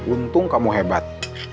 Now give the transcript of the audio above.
untung kamu hebat